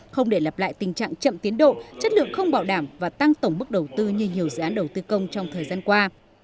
không để lặp lại tình trạng chậm tiến độ chất lượng không bảo đảm và tăng tổng mức đầu tư như nhiều dự án đầu tư công trong thời gian qua